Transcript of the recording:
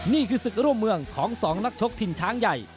นี่คือศึกร่วมเมืองของ๒นักชกทีมช้างใหญ่